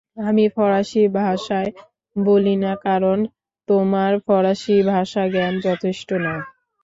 আমি ফরাসি ভাষায় বলি না কারণ তোমার ফরাসি ভাষাজ্ঞান যথেষ্ট না।